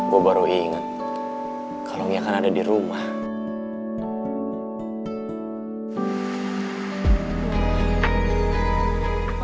gue baru inget kalo dia kan ada di rumah